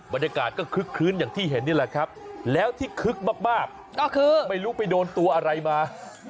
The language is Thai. บรรยากาศก็คึกคลื้นอย่างที่เห็นนี่แหละครับแล้วที่คึกมากก็คือไม่รู้ไปโดนตัวอะไรมา